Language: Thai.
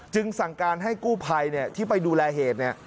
สั่งการให้กู้ภัยที่ไปดูแลเหตุ